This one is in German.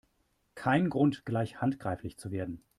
Kein Grund, gleich handgreiflich zu werden!